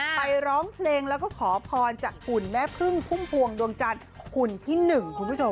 ไปร้องเพลงแล้วก็ขอพรจากขุนแม่พึ่งพุ่มพวงดวงจาดขุนที่หนึ่ง